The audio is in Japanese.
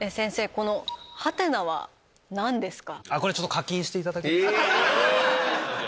このハテナは何ですか？